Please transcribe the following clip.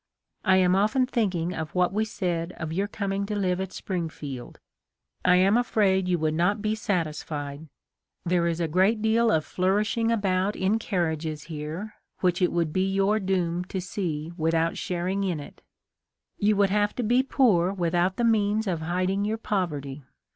I am often think ing of what we said of your coming to live at Springfield. I am afraid you would not be satis THE LIFE OF LINCOLN. 1 5 3 fied. There is a great deal of flourishing about in carriages here, which it would be your doom to see without sharing in it. You would have to be poor without the means of hiding your poverty.